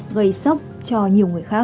gây sốc cho nhiều người khác